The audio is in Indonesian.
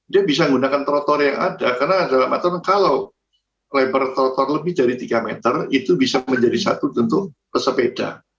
dia bisa menggunakan trotoar yang ada karena dalam aturan kalau lebar trotor lebih dari tiga meter itu bisa menjadi satu tentu pesepeda